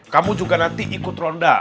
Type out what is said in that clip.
kamu juga nanti ikut ronda